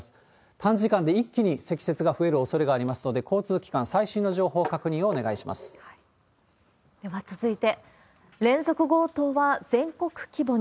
短時間で一気に積雪が増えるおそれがありますので、交通機関、では続いて、連続強盗は全国規模に。